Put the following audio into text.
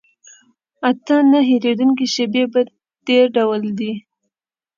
اته نه هېرېدونکي شیبې په دې ډول دي.